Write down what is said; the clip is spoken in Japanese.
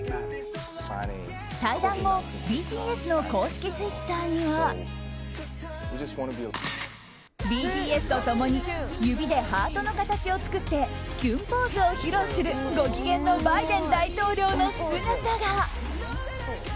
対談後、ＢＴＳの公式ツイッターにはＢＴＳと共に指でハートの形を作ってキュンポーズを披露するご機嫌のバイデン大統領の姿が。